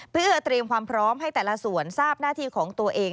เพื่อเตรียมความพร้อมให้แต่ละส่วนทราบหน้าที่ของตัวเอง